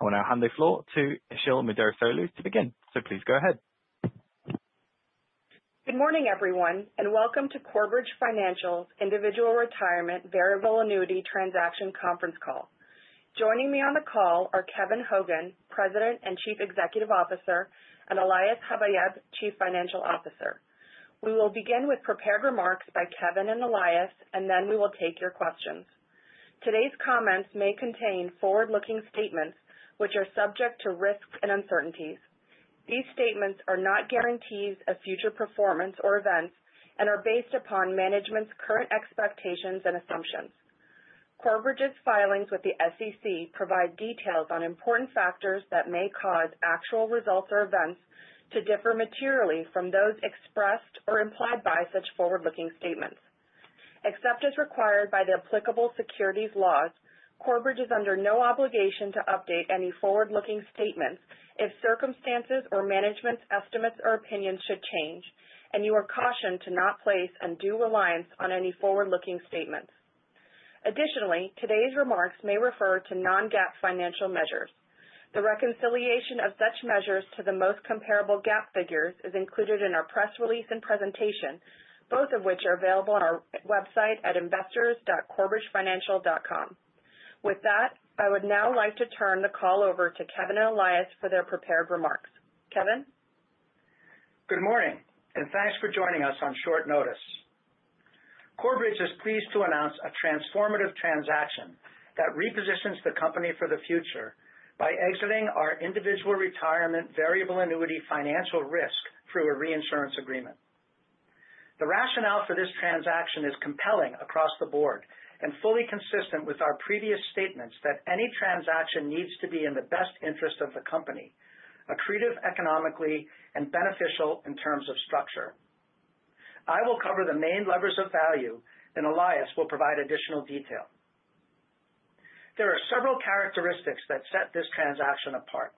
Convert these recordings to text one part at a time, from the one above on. I will now hand the floor to Işıl Müderrisoğlu, to begin, so please go ahead. Good morning, everyone, and welcome to Corebridge Financial's Individual Retirement Variable Annuity Transaction Conference Call. Joining me on the call are Kevin Hogan, President, and Chief Executive Officer, and Elias Habayeb, Chief Financial Officer. We will begin with prepared remarks by Kevin and Elias, and then we will take your questions. Today's comments may contain forward-looking statements, which are subject to risks and uncertainties. These statements are not guarantees of future performance or events and are based upon management's current expectations and assumptions. Corebridge's, filings with the SEC, provide details on important factors that may cause actual results or events to differ materially from those expressed or implied by such forward-looking statements. Except as required by the applicable securities laws, Corebridge, is under no obligation to update any forward-looking statements, if circumstances or management's estimates, or opinions should change, and you are cautioned to not place undue reliance on any forward-looking statements. Additionally, today's remarks may refer to non-GAAP, financial measures. The reconciliation of such measures to the most comparable GAAP, figures is included in our press release and presentation, both of which are available on our website at investors.corebridgefinancial.com. With that, I would now like to turn the call over to Kevin and Elias, for their prepared remarks. Kevin. Good morning, and thanks for joining us on short notice. Corebridge, is pleased to announce a transformative transaction that repositions the company for the future by exiting our Individual Retirement Variable Annuity Financial risk, through a reinsurance agreement. The rationale for this transaction is compelling across the board and fully consistent with our previous statements that any transaction needs to be in the best interest of the company, accretive economically, and beneficial in terms of structure. I will cover the main levers of value, and Elias, will provide additional detail. There are several characteristics that set this transaction apart.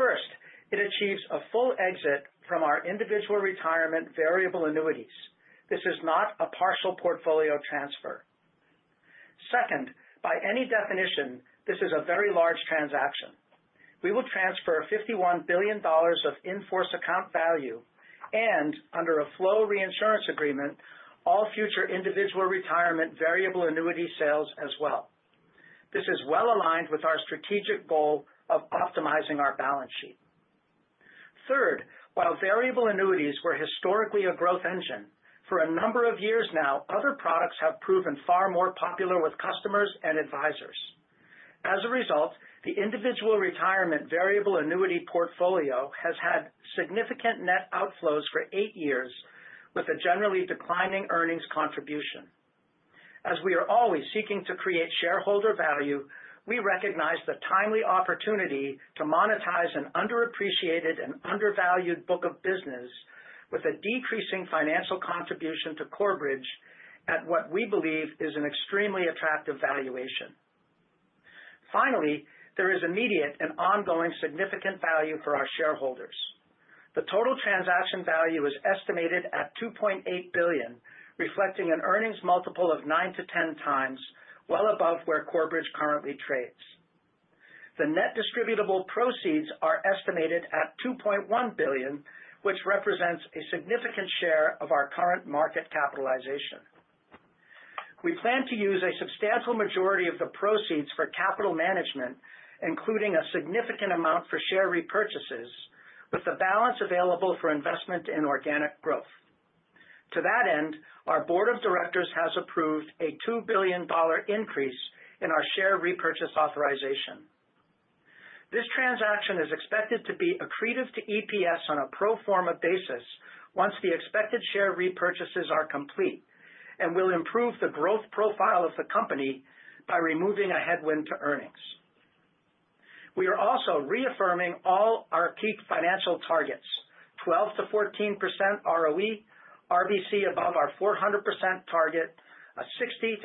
First, it achieves a full exit from our Individual Retirement Variable Annuities. This is not a partial portfolio transfer. Second, by any definition, this is a very large transaction. We will transfer $51 billion, of in-force account value and, under a flow reinsurance agreement, all future Individual Retirement Variable Annuity, sales as well. This is well aligned with our strategic goal of optimizing our balance sheet. Third, while Variable Annuities, were historically a growth engine, for a number of years now, other products have proven far more popular with customers and advisors. As a result, the Individual Retirement Variable Annuity, portfolio, has had significant net outflows for eight years, with a generally declining earnings contribution. As we are always seeking to create shareholder value, we recognize the timely opportunity to monetize an underappreciated and undervalued book of business with a decreasing financial contribution to Corebridge, at what we believe is an extremely attractive valuation. Finally, there is immediate and ongoing significant value for our shareholders. The total transaction value is estimated at $2.8 billion, reflecting an earnings multiple of 9-10 times, well above where Corebridge, currently trades. The net distributable proceeds, are estimated at $2.1 billion, which represents a significant share of our current market capitalization. We plan to use a substantial majority of the proceeds for capital management, including a significant amount for share repurchases, with the balance available for investment in organic growth. To that end, our Board of Directors, has approved a $2 billion, increase in our share repurchase authorization. This transaction is expected to be accretive to EPS, on a pro forma basis once the expected share repurchases, are complete and will improve the growth profile, of the company by removing a headwind to earnings. We are also reaffirming all our key financial targets: 12-14% ROE, RBC, above our 400%, target, a 60-65%,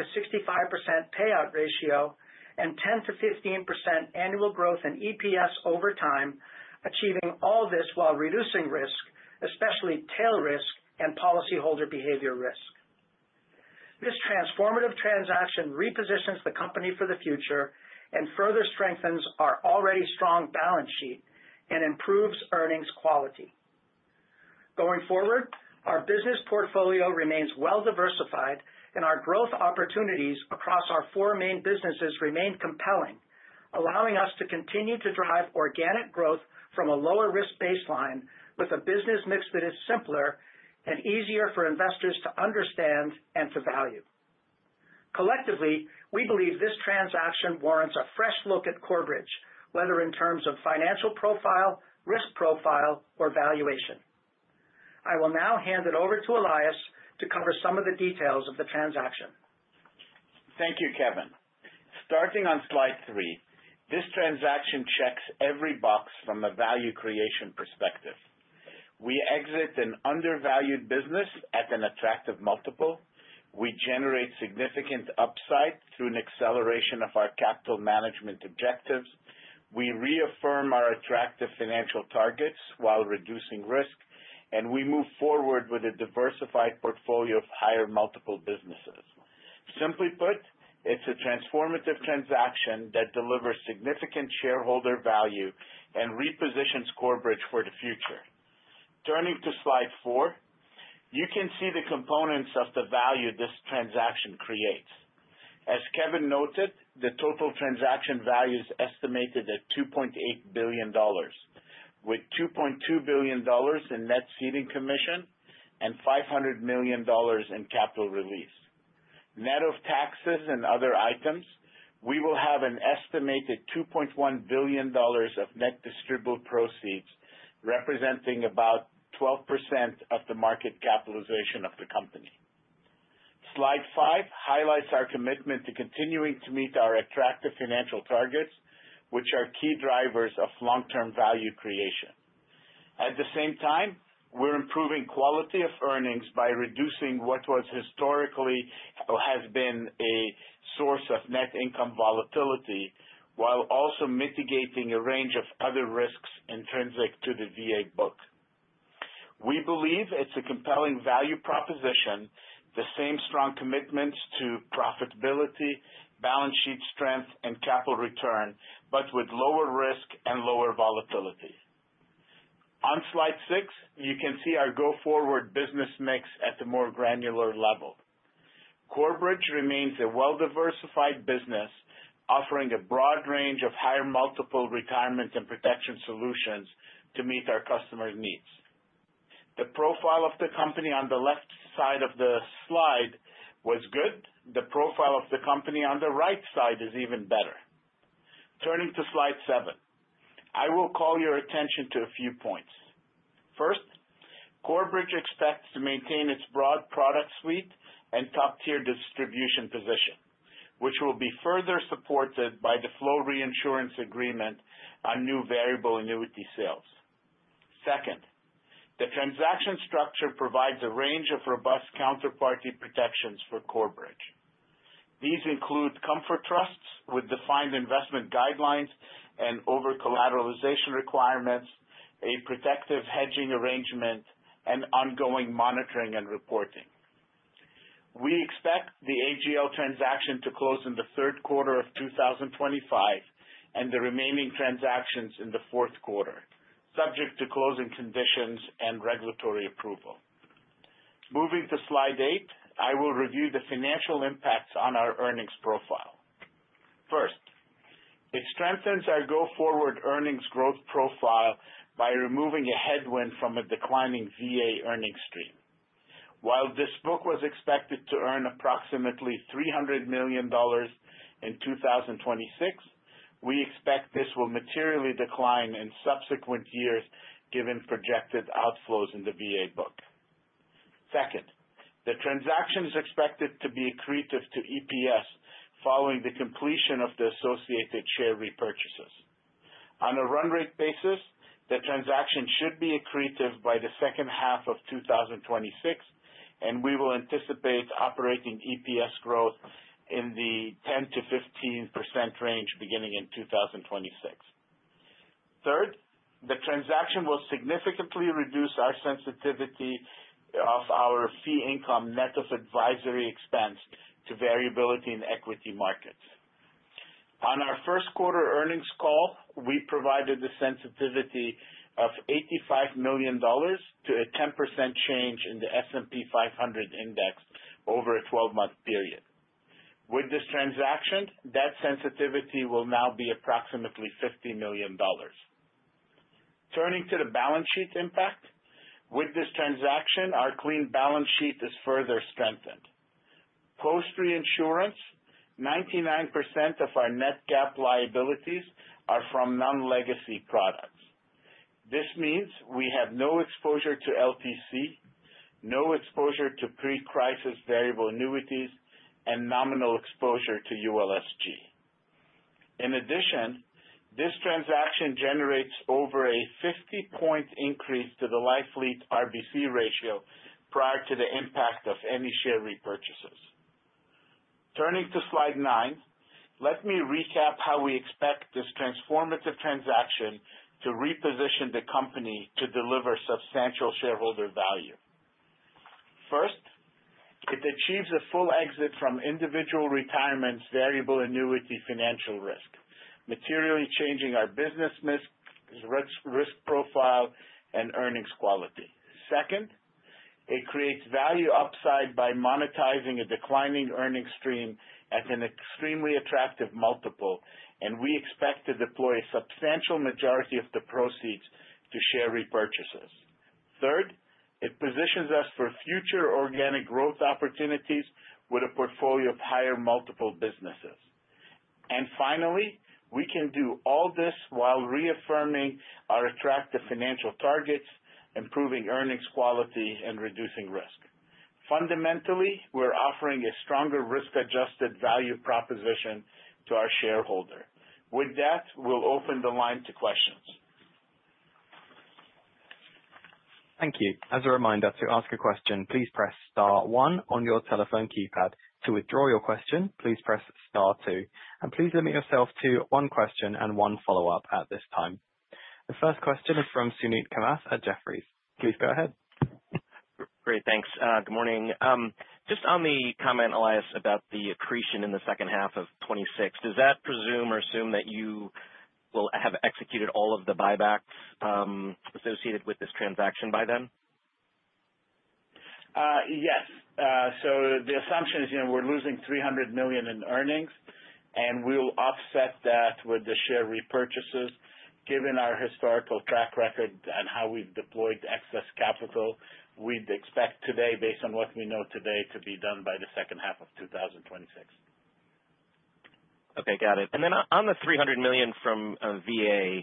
payout ratio, and 10-15%, annual growth, in EPS, over time, achieving all this while reducing risk, especially tail risk and policyholder behavior risk. This transformative transaction repositions the company for the future and further strengthens our already strong balance sheet and improves earnings quality. Going forward, our business portfolio, remains well diversified, and our growth opportunities across our four main businesses remain compelling, allowing us to continue to drive organic growth from a lower risk baseline with a business mix that is simpler and easier for investors to understand and to value. Collectively, we believe this transaction warrants a fresh look at Corebridge, whether in terms of financial profile, risk profile, or valuation. I will now hand it over to Elias, to cover some of the details of the transaction. Thank you, Kevin. Starting on slide three, this transaction checks every box from a value creation, perspective. We exit an undervalued business at an attractive multiple. We generate significant upside through an acceleration of our capital management, objectives. We reaffirm our attractive financial targets while reducing risk, and we move forward with a diversified portfolio, of higher multiple businesses. Simply put, it's a transformative transaction that delivers significant shareholder value, and repositions Corebridge, for the future. Turning to slide four, you can see the components of the value this transaction creates. As Kevin, noted, the total transaction value, is estimated at $2.8 billion, with $2.2 billion, in net seeding commission and $500 million, in capital release. Net of taxes,, and other items, we will have an estimated $2.1 billion, of net distributable proceeds, representing about 12%, of the market capitalization, of the company. Slide five, highlights our commitment to continuing to meet our attractive financial targets, which are key drivers of long-term value creation. At the same time, we're improving quality of earnings, ,by reducing what was historically or has been a source of net income volatility, while also mitigating a range of other risks intrinsic to the VA, book. We believe it's a compelling value proposition, the same strong commitments to profitability, balance sheet strength, and capital return, but with lower risk and lower volatility. On slide six, you can see our go-forward business mix, at the more granular level. Corebridge, remains a well-diversified business, offering a broad range of higher multiple retirement and protection solutions, to meet our customer's needs. The profile of the company, on the left side of the slide was good. The profile of the company, on the right side is even better. Turning to slide seven, I will call your attention to a few points. First, Corebridge, expects to maintain its broad product suite, and top-tier distribution position, which will be further supported by the flow reinsurance agreement, on new Variable Annuity sales. Second, the transaction structure provides a range of robust counterparty protections for Corebridge. These include comfort trusts, with defined investment guidelines, and over-collateralization, requirements, a protective hedging arrangement, and ongoing monitoring and reporting. We expect the AGL, transaction to close in the third quarter, of 2025, and the remaining transactions in the fourth quarter, subject to closing conditions and regulatory approval. Moving to slide eight, I will review the financial impacts on our earnings profile. First, it strengthens our go-forward earnings growth profile, by removing a headwind from a declining VA, earnings stream. While this book was expected to earn approximately $300 million, in 2026, we expect this will materially decline in subsequent years given projected outflows in the VA, book. Second, the transaction is expected to be accretive to EPS, following the completion of the associated share, repurchases. On a run rate basis, the transaction should be accretive by the second half, of 2026, and we will anticipate operating EPS, growth in the 10-15%, range beginning in 2026. Third, the transaction will significantly reduce our sensitivity of our fee income, net of advisory expense, to variability in equity markets. On our first quarter, earnings call, we provided the sensitivity of $85 million, to a 10%, change in the S&P 500 index, over a 12-month, period. With this transaction, that sensitivity will now be approximately $50 million. Turning to the balance sheet impact, with this transaction, our clean balance sheet, is further strengthened. Post-reinsurance, 99%, of our net GAAP liabilities, are from non-legacy products. This means we have no exposure to LTC, no exposure to pre-crisis Variable Annuities, and nominal exposure to ULSG. In addition, this transaction generates over a 50-point, increase to the life-lead, RBC ratio, prior to the impact of any share repurchases. Turning to slide nine, let me recap how we expect this transformative transaction to reposition the company to deliver substantial shareholder value. First, it achieves a full exit from Individual Retirement Variable Annuity Financial Risk, materially changing our business risk profile and earnings quality. Second, it creates value upside by monetizing a declining earnings stream at an extremely attractive multiple, and we expect to deploy a substantial majority of the proceeds to share repurchases. Third, it positions us for future organic growth opportunities with a portfolio of higher multiple businesses. Finally, we can do all this while reaffirming our attractive financial targets, improving earnings quality, and reducing risk. Fundamentally, we're offering a stronger risk-adjusted value proposition to our shareholder. With that, we'll open the line to questions. Thank you. As a reminder, to ask a question, please press Star 1 on your telephone keypad. To withdraw your question, please press Star 2. Please limit yourself to one question and one follow-up at this time. The first question is from Suneet Kamath, at Jefferies. Please go ahead. Great. Thanks. Good morning. Just on the comment, Elias, about the accretion in the second half, of 2026, does that presume or assume that you will have executed all of the buybacks associated with this transaction by then? Yes. So the assumption is we're losing $300 million, in earnings, and we'll offset that with the share repurchases. Given our historical track record and how we've deployed excess capital, we'd expect today, based on what we know today, to be done by the second half, of 2026. Okay. Got it. And then on the $300 million, from VA,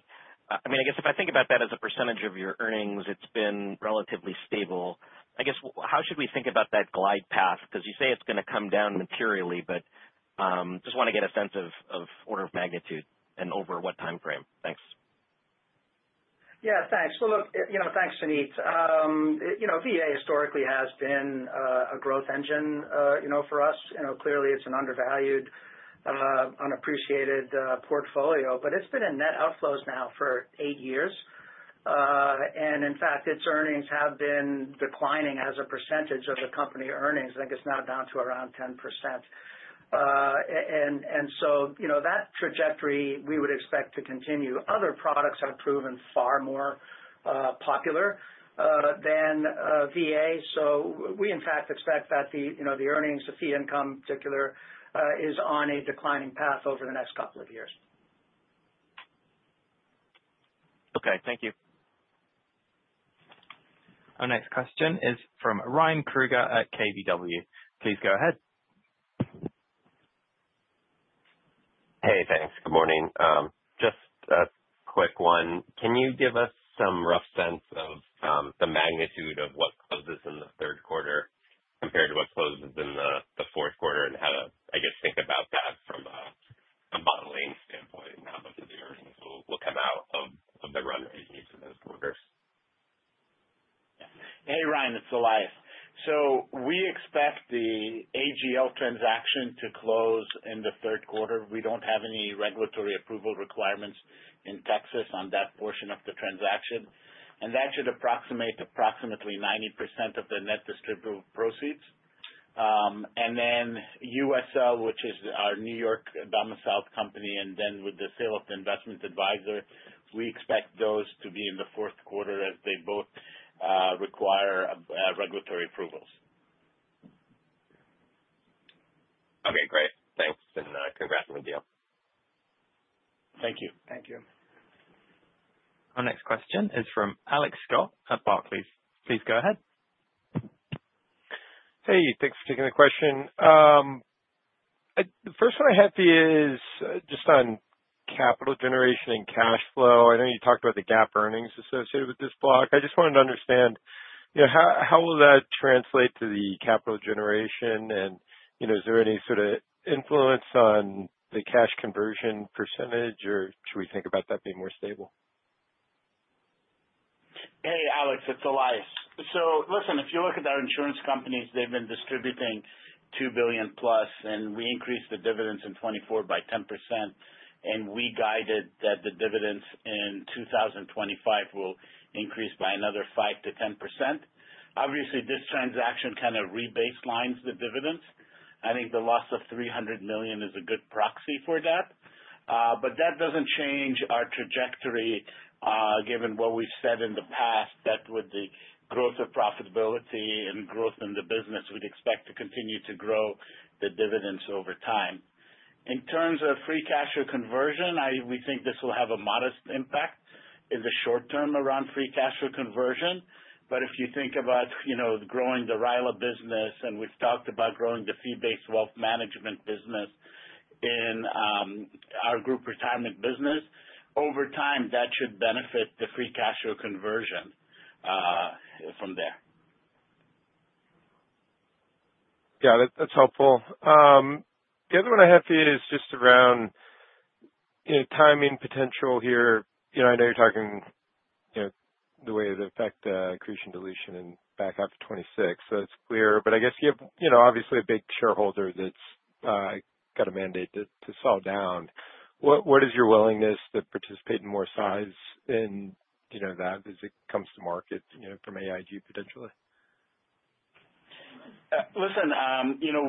I mean, I guess if I think about that as a percentage, of your earnings, it's been relatively stable. I guess how should we think about that glide path? Because you say it's going to come down materially, but just want to get a sense of order of magnitude and over what time frame. Thanks. Yeah. Thanks. Look, thanks, Suneet. VA, historically has been a growth engine for us. Clearly, it's an undervalued, unappreciated portfolio, but it's been in net outflows, now for eight years. In fact, its earnings have been declining as a percentage of the company earnings. I think it's now down to around 10%. That trajectory, we would expect to continue. Other products have proven far more popular than VA. We, in fact, expect that the earnings, the fee income, in particular, is on a declining path over the next couple of years. Okay. Thank you. Our next question is from Ryan Kruger, at KBW. Please go ahead. Hey, thanks. Good morning. Just a quick one. Can you give us some rough sense of the magnitude of what closes in the third quarter, compared to what closes in the fourth quarter, and how to, I guess, think about that from a modeling standpoint, and how much of the earnings will come out of the run rate, in each of those quarters? Hey, Ryan. It's Elias. We expect the AGL, transaction to close in the third quarter. We do not have any regulatory approval requirements in Texas, on that portion of the transaction. That should approximate approximately 90%, of the net distributable proceeds. USL, which is our New York, domiciled company, and with the sale of the investment advisor, we expect those to be in the fourth quarter, as they both require regulatory approvals. Okay. Great. Thanks. And congratulations. Thank you. Thank you. Our next question is from Alex Scott, at Barclays. Please go ahead. Hey. Thanks for taking the question. The first one I have is just on capital generation and cash flow. I know you talked about the GAAP, earnings associated with this block. I just wanted to understand how will that translate to the capital generation, and is there any sort of influence on the cash conversion percentage, or should we think about that being more stable? Hey, Alex. It's Elias. So listen, if you look at our insurance companies, they've been distributing $2 billion, plus, and we increased the dividends, in 2024, by 10%. And we guided that the dividends, in 2025, will increase by another 5-10%. Obviously, this transaction kind of rebaselines the dividends. I think the loss of $300 million, is a good proxy, for that. But that doesn't change our trajectory. Given what we've said in the past, that with the growth of profitability and growth in the business, we'd expect to continue to grow the dividends, over time. In terms of free cash, or conversion, we think this will have a modest impact in the short term around free cash, or conversion. If you think about growing the RILA, business, and we've talked about growing the fee-based wealth management business, in our Group Retirement business, over time, that should benefit the free cash, or conversion from there. Got it. That's helpful. The other one I have is just around timing potential here. I know you're talking the way it would affect the accretion, deletion, and back out to 2026, so it's clear. I, guess you have obviously a big shareholder that's got a mandate to slow down. What is your willingness to participate in more size in that as it comes to market from AIG, potentially? Listen,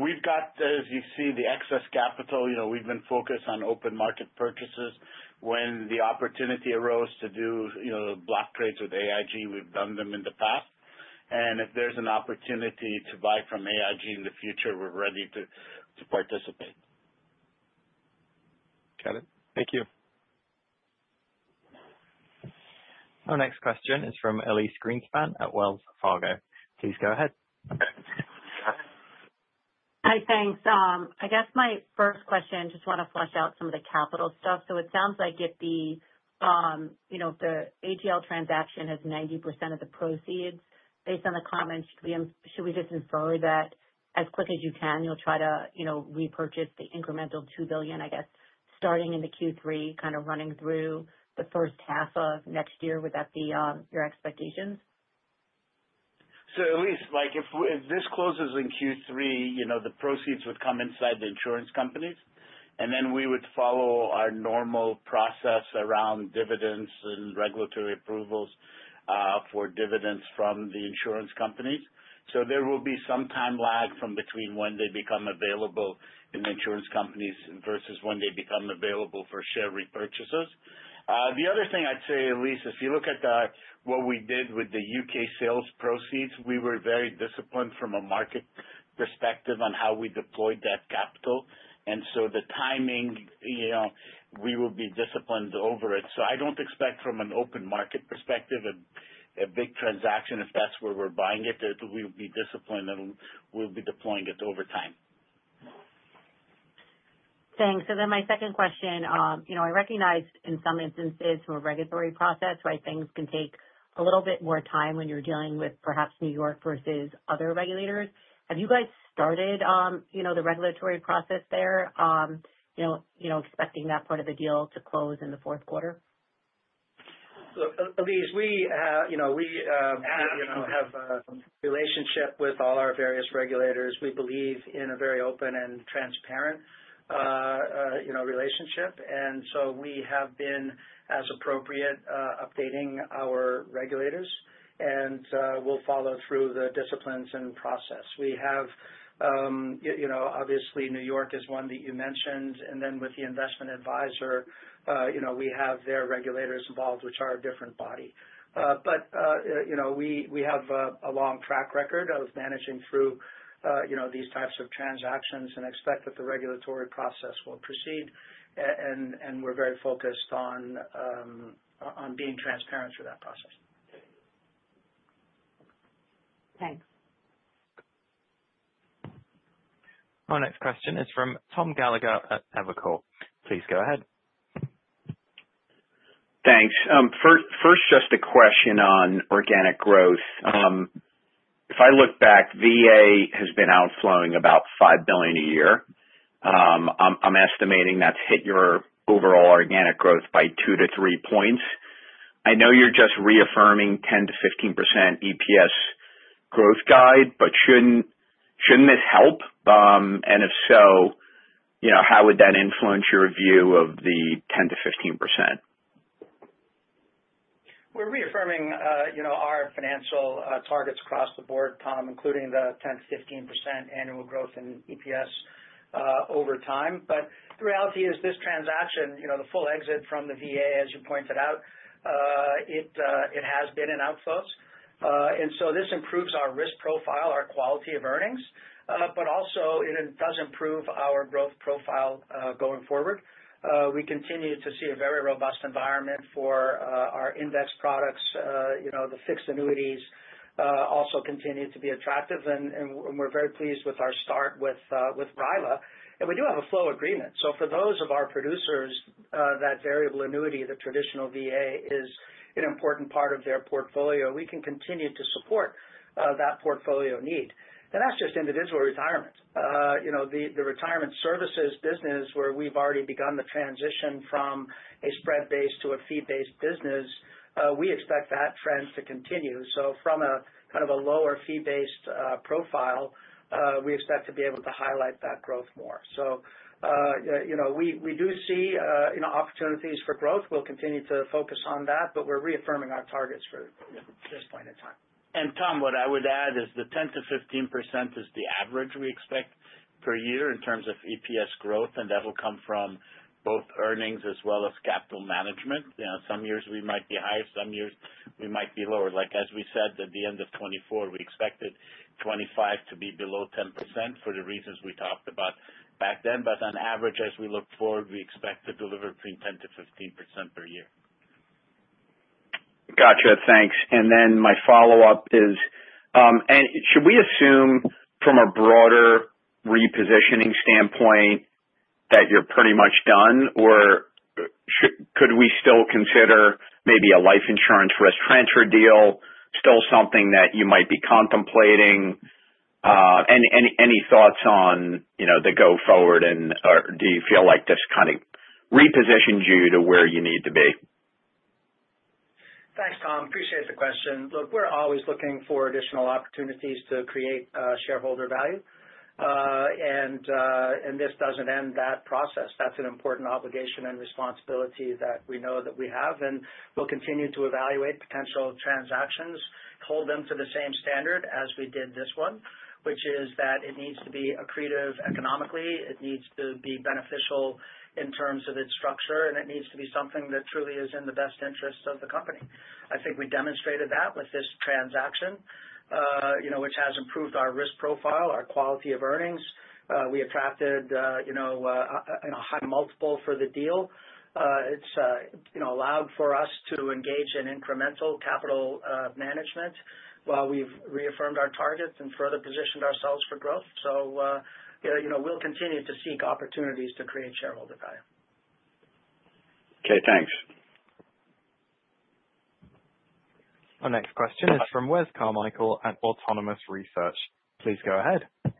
we've got, as you see, the excess capital. We've been focused on open market purchases. When the opportunity arose to do block trades with AIG, we've done them in the past. If there's an opportunity to buy from AIG, in the future, we're ready to participate. Got it. Thank you. Our next question is from Elyse Greenspan, at Wells Fargo. Please go ahead. Hi, thanks. I guess my first question, I just want to flesh out some of the capital stuff. So it sounds like if the AGL, transaction has 90%, of the proceeds, based on the comments, should we just infer that as quick as you can, you'll try to repurchase the incremental $2 billion, I guess, starting in the Q3, kind of running through the first half of next year? Would that be your expectations? Elise, if this closes in Q3, the proceeds would come inside the insurance companies, and then we would follow our normal process around dividends, and regulatory approvals for dividends from the insurance companies. There will be some time lag from between when they become available in the insurance companies, versus when they become available for share repurchases. The other thing I'd say, Elise, if you look at what we did with the U.K. sales proceeds, we were very disciplined from a market perspective on how we deployed that capital. The timing, we will be disciplined over it. I don't expect from an open market perspective a big transaction if that's where we're buying it. We'll be disciplined, and we'll be deploying it over time. Thanks. Then my second question, I recognize in some instances from a regulatory process where things can take a little bit more time when you're dealing with perhaps New York, versus other regulators. Have you guys started the regulatory process there, expecting that part of the deal to close in the fourth quarter? Elyse, we have a relationship with all our various regulators. We believe in a very open and transparent relationship. We have been, as appropriate, updating our regulators, and we will follow through the disciplines and process. We have, obviously, New York, is one that you mentioned. With the investment advisor, we have their regulators involved, which are a different body. We have a long track record, of managing through these types of transactions and expect that the regulatory process will proceed. We are very focused on being transparent through that process. Thanks. Our next question is from Tom Gallagher, at Evercore ISI. Please go ahead. Thanks. First, just a question on organic growth. If I look back, VA, has been outflowing about $5 billion, a year. I'm estimating that's hit your overall organic growth by 2-3 points. I know you're just reaffirming 10-15%, EPS, growth guide, but shouldn't this help? If so, how would that influence your view of the 10-15%? We're reaffirming our financial targets across the board, Tom, including the 10-15%, annual growth, in EPS, over time. The reality is this transaction, the full exit from the VA, as you pointed out, it has been in outflows. This improves our risk profile, our quality of earnings, but also it does improve our growth profile going forward. We continue to see a very robust environment for our index products. The fixed annuities also continue to be attractive. We're very pleased with our start with RILA. We do have a flow agreement. For those of our producers, that Variable Annuity, the traditional VA, is an important part of their portfolio. We can continue to support that portfolio need. That's just individual retirement. The retirement services business, where we've already begun the transition from a spread-based to a fee-based business, we expect that trend to continue. From a kind of a lower fee-based profile, we expect to be able to highlight that growth more. We do see opportunities for growth. We'll continue to focus on that, but we're reaffirming our targets for this point in time. Tom, what I would add is the 10-15%, is the average we expect per year in terms of EPS, growth. That will come from both earnings as well as capital management. Some years we might be higher. Some years we might be lower. Like as we said at the end of 2024, we expected 2025, to be below 10%, for the reasons we talked about back then. On average, as we look forward, we expect to deliver between 10-15%, per year. Gotcha. Thanks. My follow-up is, should we assume from a broader repositioning standpoint that you're pretty much done, or could we still consider maybe a life insurance risk, transfer deal, still something that you might be contemplating? Any thoughts on the go-forward, and do you feel like this kind of repositioned you to where you need to be? Thanks, Tom. Appreciate the question. Look, we're always looking for additional opportunities to create shareholder value. This does not end that process. That is an important obligation and responsibility that we know that we have. We will continue to evaluate potential transactions, hold them to the same standard as we did this one, which is that it needs to be accretive economically. It needs to be beneficial in terms of its structure, and it needs to be something that truly is in the best interests of the company. I think we demonstrated that with this transaction, which has improved our risk profile, our quality of earnings. We attracted a high multiple for the deal. It has allowed for us to engage in incremental capital management, while we have reaffirmed our targets and further positioned ourselves for growth. We will continue to seek opportunities to create shareholder value. Okay. Thanks. Our next question is from Wes Carmichael, at Autonomous Research. Please go ahead.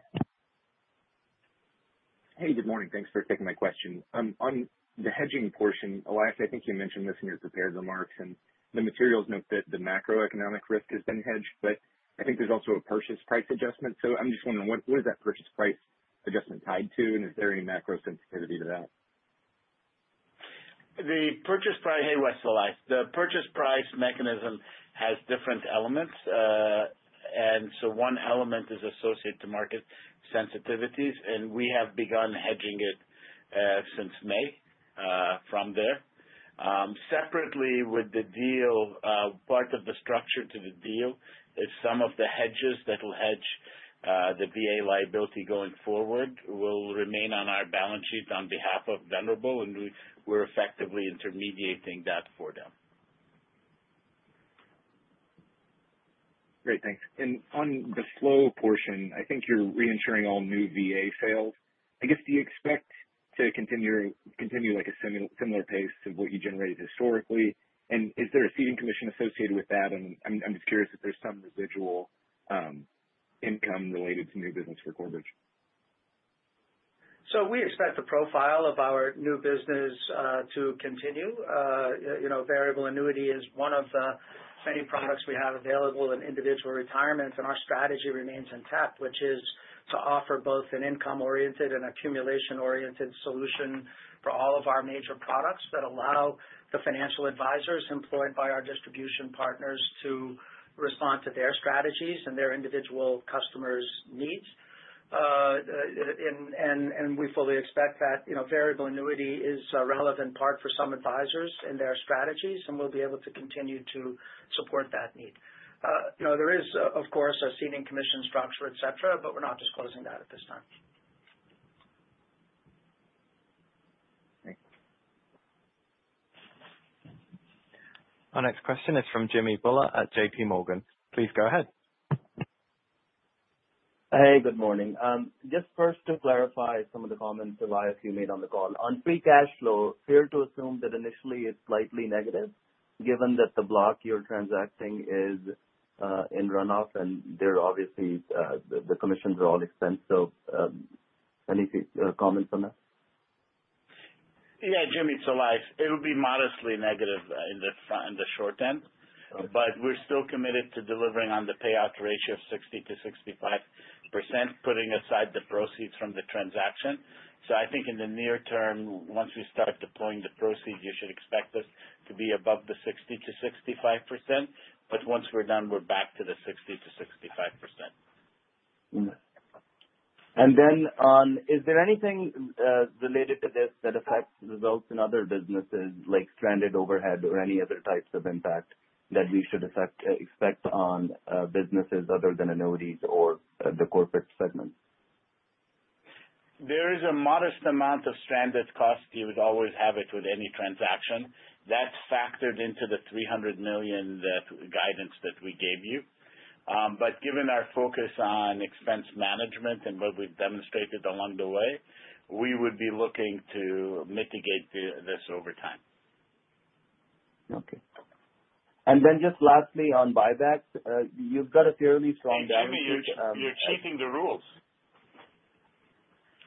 Hey, good morning. Thanks for taking my question. On the hedging portion, Elias, I think you mentioned this in your prepared remarks, and the materials note that the macroeconomic risk, has been hedged, but I think there's also a purchase price adjustment. So I'm just wondering, what is that purchase price adjustment tied to, and is there any macro sensitivity to that? The purchase price—hey, Wes, Elias—the purchase price mechanism, has different elements. One element is associated to market sensitivities, and we have begun hedging it since May, from there. Separately, with the deal, part of the structure to the deal is some of the hedges that will hedge, the VA, liability going forward will remain on our balance sheet on behalf of Venerable, and we are effectively intermediating that for them. Great. Thanks. On the flow portion, I think you're reinsuring all new VA, sales. I guess, do you expect to continue at a similar pace to what you generated historically? Is there a seeding commission associated with that? I'm just curious if there's some residual income related to new business for Corebridge. We expect the profile, of our new business to continue. Variable Annuity, is one of the many products we have available in Individual Retirement, and our strategy remains intact, which is to offer both an income-oriented and accumulation-oriented, solution for all of our major products that allow the financial advisors, employed by our distribution partners to respond to their strategies and their individual customers' needs. We fully expect that Variable Annuity, is a relevant part for some advisors in their strategies, and we'll be able to continue to support that need. There is, of course, a seeding commission structure, etc., but we're not disclosing that at this time. Great. Our next question is from Jimmy Bhullar, at JPMorgan. Please go ahead. Hey, good morning. Just first to clarify some of the comments, Elias, you made on the call. On free cash flow, fair to assume that initially it's slightly negative given that the block you're transacting is in runoff, and obviously, the commissions are all expensive. Any comments on that? Yeah, Jimmy, it's Elias. It will be modestly negative in the short term, but we're still committed to delivering on the payout ratio of 60-65%, putting aside the proceeds from the transaction. I think in the near term, once we start deploying the proceeds, you should expect us to be above the 60-65%. Once we're done, we're back to the 60-65%. Is there anything related to this that affects results in other businesses, like stranded overhead or any other types of impact that we should expect on businesses other than annuities, or the corporate segment? There is a modest amount of stranded cost. You would always have it with any transaction. That is factored into the $300 million, guidance that we gave you. Given our focus on expense management, and what we have demonstrated along the way, we would be looking to mitigate this over time. Okay. And then just lastly on buybacks, you've got a fairly strong. Jimmy, you're cheating the rules.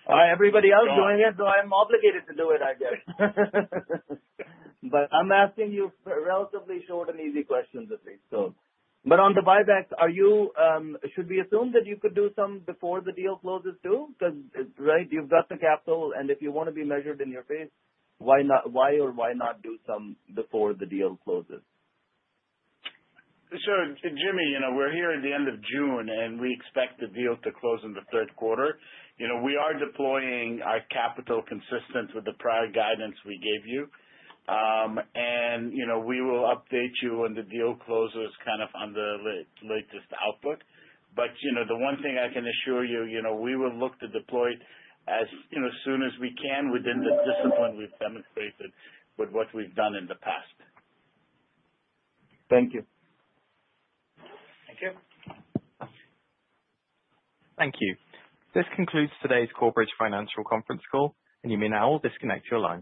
All right. Everybody else doing it, though I'm obligated to do it, I guess. I'm asking you relatively short and easy questions, at least. On the buybacks, should we assume that you could do some before the deal closes too? Because you've got the capital, and if you want to be measured in your pace, why or why not do some before the deal closes? Jimmy, we're here at the end of June, and we expect the deal to close in the third quarter. We are deploying our capital, consistent with the prior guidance we gave you. We will update you when the deal closes kind of on the latest output. The one thing I can assure you, we will look to deploy as soon as we can within the discipline we've demonstrated with what we've done in the past. Thank you. Thank you. Thank you. This concludes today's Corebridge Financial Conference Call, and you may now disconnect your line.